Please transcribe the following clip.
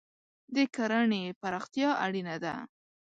د کرهنې پراختیا اړینه ده.